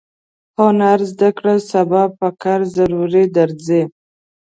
هنر زده کړه سبا پکار ضرور درځي.